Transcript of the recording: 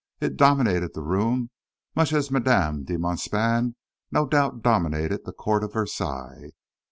It dominated the room, much as Madame de Montespan, no doubt, dominated the court at Versailles.